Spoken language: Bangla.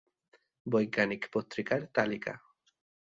বৈজ্ঞানিক পত্রিকার তালিকা